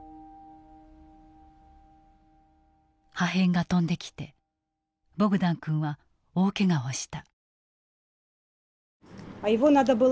破片が飛んできてボグダン君は大けがをした。